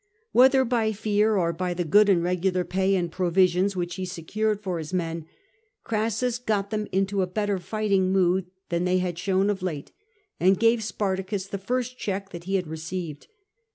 Whether by fear, or by the good and regular pay and provisions which he secured for his men, Crassus got them into a better fighting mood than they had shown of late, and gave Spartacus the first check that he had received.